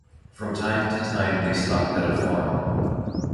From time to time they stopped at a farm.